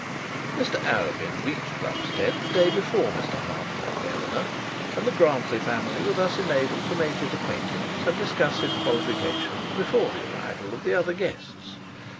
Mr Arabin reached Plumstead the day before Mr Harding and Eleanor, and the Grantly family were thus enabled to make his acquaintance and discuss his qualifications before the arrival of the other guests.